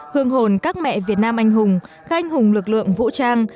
hương hồn các mẹ việt nam anh hùng khai anh hùng lực lượng vũ trang